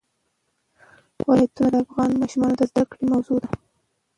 ولایتونه د افغان ماشومانو د زده کړې موضوع ده.